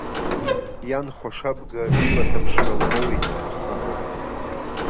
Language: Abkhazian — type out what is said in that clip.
Иан хәашабга илаҭаԥшра лмоуит, аха.